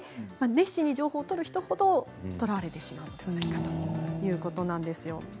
熱心に情報を取る人ほどとらわれてしまっているということなんです。